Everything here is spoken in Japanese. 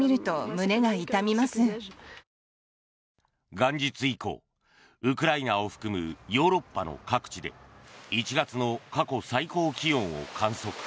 元日以降、ウクライナを含むヨーロッパの各地で１月の過去最高気温を観測。